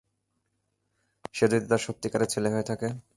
সে যদি তার সত্যিকারের ছেলে হয়ে থাকে?